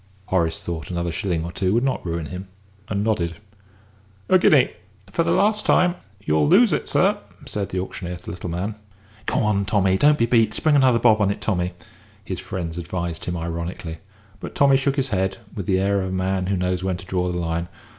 Horace thought another shilling or two would not ruin him, and nodded. "A guinea. For the last time. You'll lose it, sir," said the auctioneer to the little man. "Go on, Tommy. Don't you be beat. Spring another bob on it, Tommy," his friends advised him ironically; but Tommy shook his head, with the air of a man who knows when to draw the line.